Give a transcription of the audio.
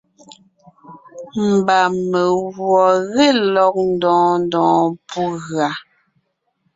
Mba meguɔ ge lɔg ndɔɔn ndɔɔn pú gʉa.